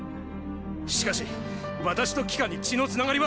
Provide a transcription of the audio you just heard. しかし私と季歌に血のつながりは。